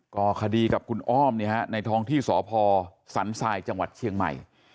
ก่อคดีกับคุณอ้อมในท้องที่สพสันทรายจังหวัดเชียงใหม่